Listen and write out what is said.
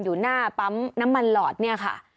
อยู่หน้าปั๊มน้ำมันหลอดเนี่ยค่ะ